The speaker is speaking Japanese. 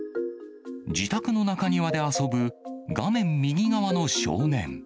自宅の中庭で遊ぶ画面右側の少年。